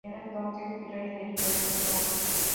Era entonces Virrey del Perú Dn.